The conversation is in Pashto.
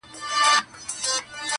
همدغه دروند دغه ستایلی وطن!.